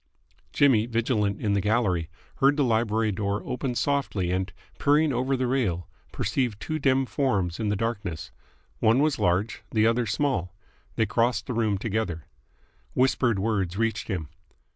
Jimmy, vigilant in the gallery, heard the library door open softly and, peering over the rail, perceived two dim forms in the darkness. One was large, the other small. They crossed the room together. Whispered words reached him.